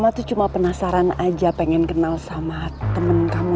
aku cuma penasaran aja pengen kenal sama temen kamu